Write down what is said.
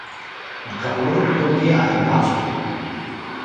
Il capoluogo di contea è Glasgow